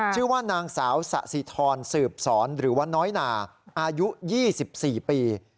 ชื่อว่านางสาวสะสิทรสืบสอนหรือว่าน้อยนาอายุ๒๔ปี